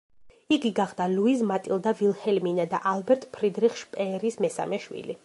იგი გახდა ლუიზ მატილდა ვილჰელმინა და ალბერტ ფრიდრიხ შპეერის მესამე შვილი.